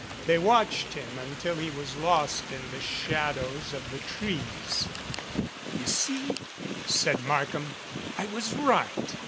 They watched him until he was lost in the shadows of the trees. "You see," said Markham, "I was right.